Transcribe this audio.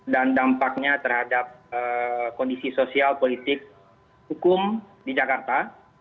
dan dampaknya terhadap kondisi sosial politik hukum di jakarta